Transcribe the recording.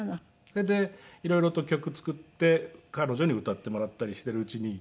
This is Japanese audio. それで色々と曲作って彼女に歌ってもらったりしているうちに。